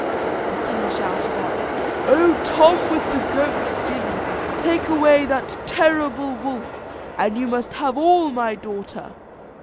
The king shouted out, "O Tom with the Goat skin, take away that terrible wolf, and you must have all my daughter."